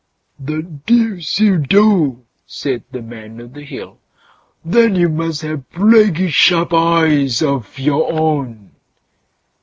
"The deuce you do", said the Man o' the Hill, "then you must have plaguey sharp eyes of your own."